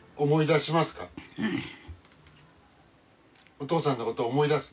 おとうさんのこと思い出す？